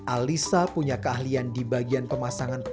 alisa punya keahlian di bagian pemasangan